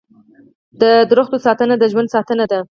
د ونو ساتنه د ژوند ساتنه ده.